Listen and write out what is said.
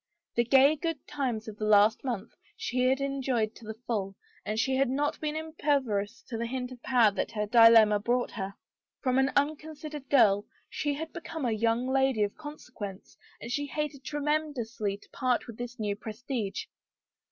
The gay good times of the last month she had enjoyed to the full and she had not been impervious to the hint of power that her dilemma brought her. From an unconsidered girl she had become a young lady of consequence and she hated tremendously to part with the new prestige.